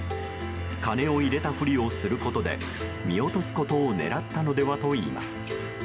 金を入れたふりをすることで見落とすことを狙ったのではといいます。